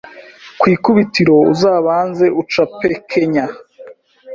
Ku ikubitiro uzabanze ucape nkeya;